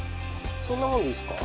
そんなもんでいいですか？